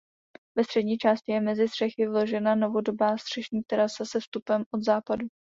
Ve střední části je mezi střechy vložena novodobá střešní terasa se vstupem od západu.